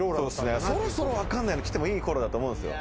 そろそろ分かんないの来てもいいころだと思うんですよ。